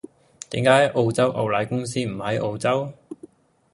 點解澳洲牛奶公司唔喺澳洲？